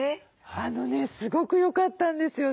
あのねすごくよかったんですよ。